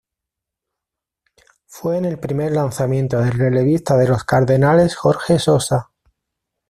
Fue en el primer lanzamiento del relevista de los Cardenales Jorge Sosa.